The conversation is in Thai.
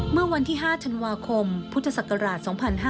เมื่อวันที่๕ธันวาคมพุทธศักราช๒๕๕๙